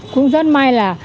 cũng rất may là